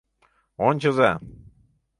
— Ончыза!